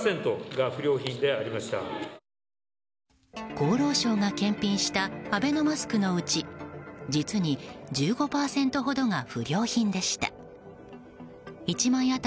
厚労省が検品したアベノマスクのうち実に１５％ほどが不良品でした。